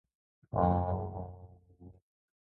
喉が渇いたので、自動販売機で飲み物を買います。